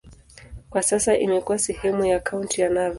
Kwa sasa imekuwa sehemu ya kaunti ya Narok.